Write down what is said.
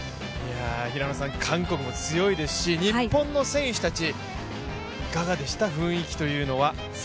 韓国も強いですし日本の選手たち、いかがでした、雰囲気というのは。